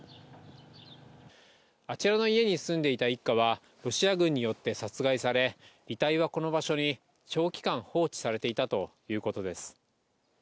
あちらの家に住んでいた一家はロシア軍によって殺害され遺体は、この場所に長期間放置されていたということです。